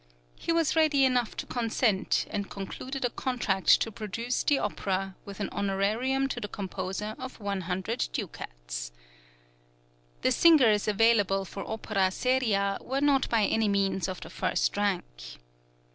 He was ready enough to consent; and concluded a contract to produce the opera, with an honorarium to the composer of 100 ducats. The singers available for opera seria were not by any means of the first rank.